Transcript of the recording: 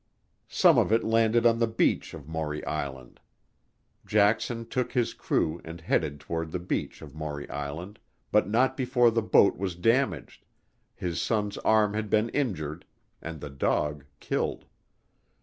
Some of it landed on the beach of Maury Island. Jackson took his crew and headed toward the beach of Maury Island, but not before the boat was damaged, his son's arm had been injured, and the dog killed.